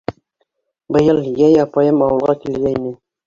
Быйыл йәй апайым ауылға килгәйне.